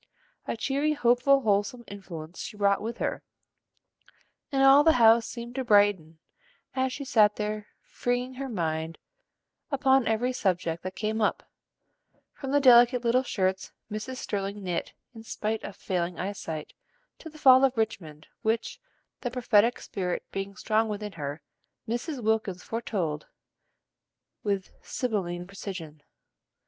A cheery, hopeful, wholesome influence she brought with her, and all the house seemed to brighten as she sat there freeing her mind upon every subject that came up, from the delicate little shirts Mrs. Sterling knit in spite of failing eyesight, to the fall of Richmond, which, the prophetic spirit being strong within her, Mrs. Wilkins foretold with sibylline precision.